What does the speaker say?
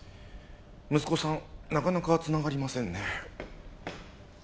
息子さんなかなかつながりませんね。